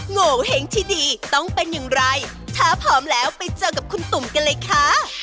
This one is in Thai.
โงเห้งที่ดีต้องเป็นอย่างไรถ้าพร้อมแล้วไปเจอกับคุณตุ๋มกันเลยค่ะ